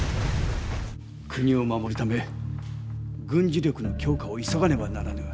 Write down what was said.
国を守るため軍事力の強化を急がねばならぬ。